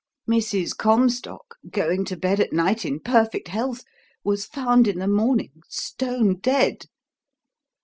Mrs. Comstock, going to bed at night in perfect health, was found in the morning stone dead!